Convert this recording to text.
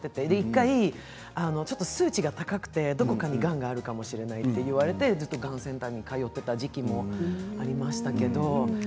１回、数値が高くてどこかにがんがあるかもしれないって言われてがんセンターに通っていた時期もありました。